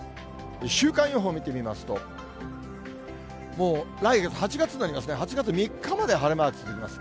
週間予報を見てみますと、もう来月８月になりますね、８月３日まで晴れマーク続きます。